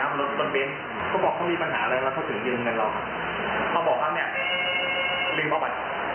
หมื่นเก้าเขามากสุดหมื่นเก้า